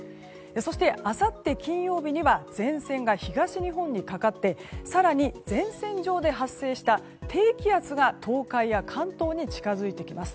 そして、あさって金曜日には前線が東日本にかかって更に前線上で発生した低気圧が東海や関東に近づいてきます。